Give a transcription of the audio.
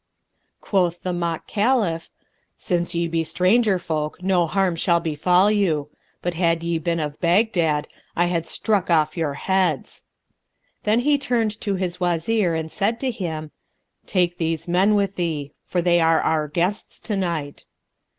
Quoth the mock Caliph, "Since ye be stranger folk no harm shall befall you; but had ye been of Baghdad, I had struck off your heads." Then he turned to his Wazir and said to him, "Take these men with thee; for they are our guests to night."